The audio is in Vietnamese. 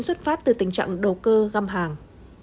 xuất phát từ tình trạng đầu cơ găm hàng